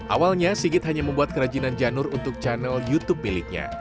awalnya sigit hanya membuat kerajinan janur untuk channel youtube miliknya